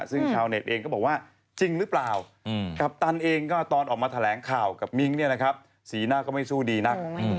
ซึ่งชาวเน็ตเองก็บอกว่าจริงหรือเปล่ากัปตันเองก็ตอนออกมาแถลงข่าวกับมิ้งเนี่ยนะครับสีหน้าก็ไม่สู้ดีนัก